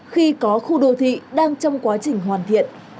khi có khu đô thị đang trong quá trình hoàn thiện